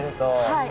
はい